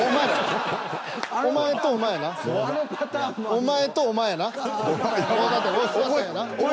お前とお前やな。